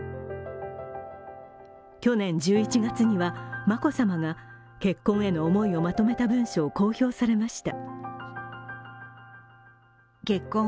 去年１１月には眞子さまが結婚への思いをまとめた文書を公表されました。